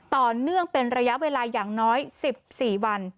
ต่อเนื่องเป็นระยะเวลาอย่างน้อย๑๔วัน